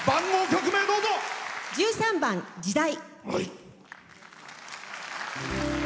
１３番「時代」。